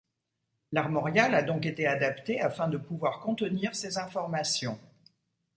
L'armorial a donc été adapté afin de pouvoir contenir ces informations.